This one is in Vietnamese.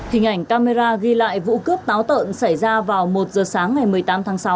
hình ảnh camera ghi lại vụ cướp táo tợn xảy ra vào một giờ sáng ngày một mươi tám tháng sáu